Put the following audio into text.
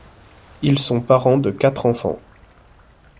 Ils sont parents de quatre enfants.